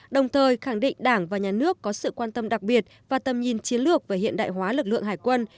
đồng thời khẳng định đảng và nhà nước có sự quan tâm đặc biệt và tầm nhìn chiến lược về hiện đại hóa lực lượng hải quân